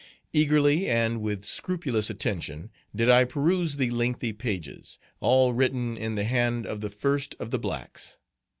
Eagerly, and with scrupulous attention, did I peruse the lengthy pages, all written in the hand of the First of the Blacks.